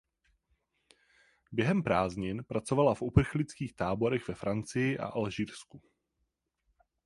Během prázdnin pracovala v uprchlických táborech ve Francii a v Alžírsku.